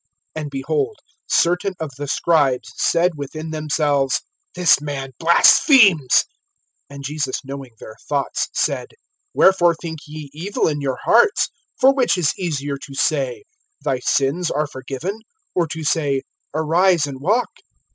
(3)And, behold, certain of the scribes said within themselves: This man blasphemes. (4)And Jesus knowing their thoughts said: Wherefore think ye evil in your hearts? (5)For which is easier, to say: Thy sins are forgiven; or to say: Arise, and walk?